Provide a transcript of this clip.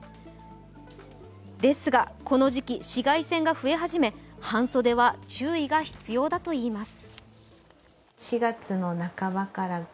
ですが、この時期、紫外線が増え始め半袖は注意が必要だといいます。